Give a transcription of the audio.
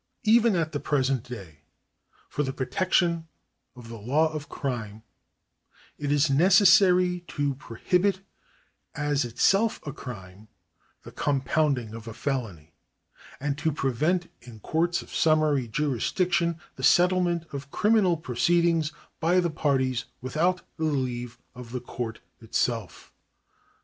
Even at the present day, for the protection of the law of crime, it is necessary to prohibit as itself a crime the compounding of a felony, and to prevent in courts of summary jurisdiction the settlement of criminal proceedings by the parties without the leave of the court itself.